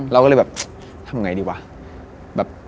เราก็จะทำยังไงดีวะ